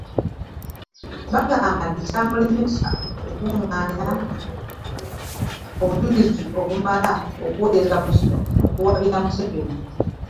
Bagamba nti kyamulemesa okukungaanya obujulizi obumala okuwaabira Museveni.